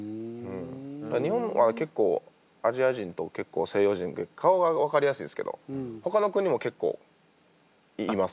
だから日本は結構アジア人と西洋人って顔が分かりやすいんすけどほかの国も結構います。